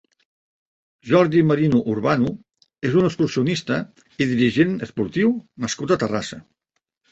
Jordi Merino Urbano és un excursionista i dirigent esportiu nascut a Terrassa.